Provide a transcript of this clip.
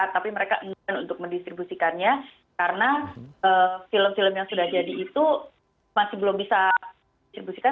tapi mereka enggan untuk mendistribusikannya karena film film yang sudah jadi itu masih belum bisa distribusikan